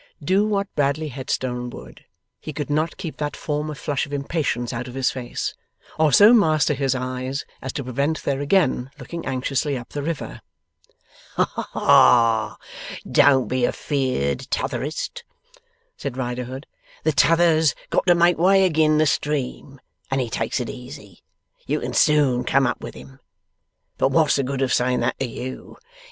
Do what Bradley Headstone would, he could not keep that former flush of impatience out of his face, or so master his eyes as to prevent their again looking anxiously up the river. 'Ha ha! Don't be afeerd, T'otherest,' said Riderhood. 'The T'other's got to make way agin the stream, and he takes it easy. You can soon come up with him. But wot's the good of saying that to you!